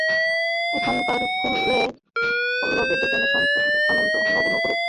এখানকার ফুলে পল্লবে দুজনের সম্মিলিত আনন্দ নব নব রূপ নিয়েছে নব নব সৌন্দর্যে।